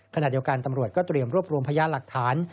ขณะเดียวกันตำรวจก็เตรียมรวบรวมพยานหลักฐาน